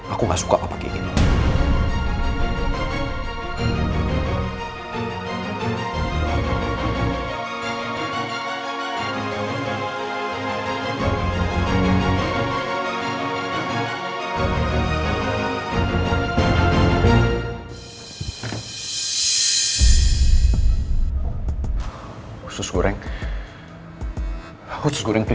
aku gak suka papa kayak gini